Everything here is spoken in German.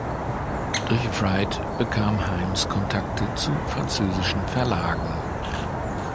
Durch Wright bekam Himes Kontakte zu französischen Verlagen.